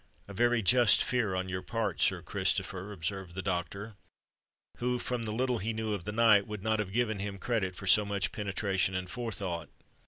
"A very just fear on your part, Sir Christopher," observed the doctor, who, from the little he knew of the knight, would not have given him credit for so much penetration and forethought.